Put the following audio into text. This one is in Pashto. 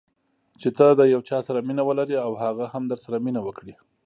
چې ته د یو چا سره مینه ولرې او هغه هم درسره مینه وکړي.